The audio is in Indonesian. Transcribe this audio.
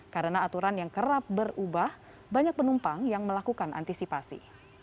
karena aturan yang kerap berubah banyak penumpang yang melakukan antisipasi